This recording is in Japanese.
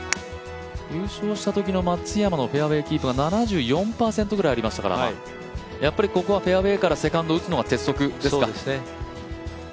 優勝したときの松山のフェアウエーキープ率が７４％くらいありましたからここはやはりフェアウエーからセカンドを打つのがそうですね。